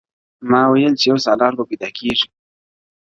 ما ویل چي یو سالار به پیدا کیږي!!